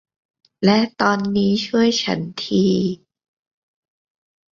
และตอนนี้ช่วยฉันที